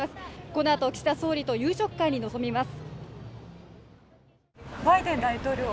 このあと、岸田総理と夕食会に臨みます。